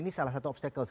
nah ini salah satu obstacle